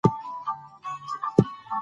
اوبزین معدنونه د افغانستان طبعي ثروت دی.